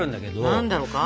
何だろうか。